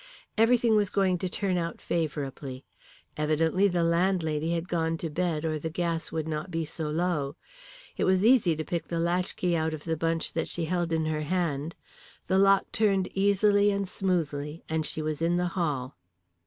Everything was going to turn out favourably. Evidently the landlady had gone to bed, or the gas would not be so low. It was easy to pick the latchkey out of the bunch that she held in her hand. The lock turned easily and smoothly, and she was in the hall.